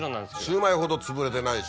シューマイほどつぶれてないし。